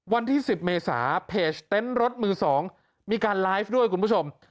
วันที่๑๐เมษาเพจเต็นต์รถมือ๒มีการไลฟ์ด้วยคุณผู้ชม